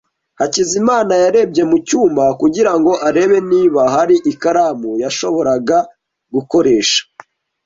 Hakizimana yarebye mu cyuma kugira ngo arebe niba hari ikaramu yashoboraga gukoresha.